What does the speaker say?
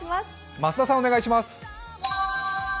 増田さん、お願いします。